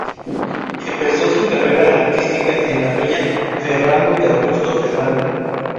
Empezó su carrera artística en la Peña Ferrando de Augusto Ferrando.